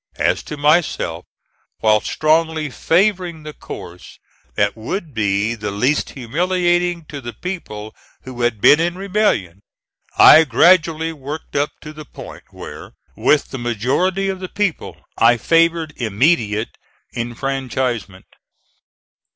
As to myself, while strongly favoring the course that would be the least humiliating to the people who had been in rebellion, I gradually worked up to the point where, with the majority of the people, I favored immediate enfranchisement.